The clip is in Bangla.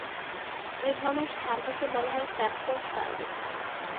এধরনের সার্ভেকে বলা হয় স্যাম্পল সার্ভে।